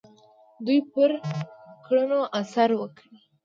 دوی پر کړنو اثر وکړي.